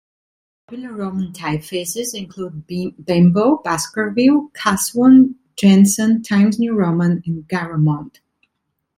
Popular roman typefaces include Bembo, Baskerville, Caslon, Jenson, Times New Roman and Garamond.